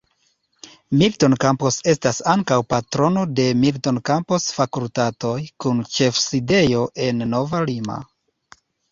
Milton Campos estas ankaŭ patrono de "Milton Campos Fakultatoj", kun ĉefsidejo en Nova Lima.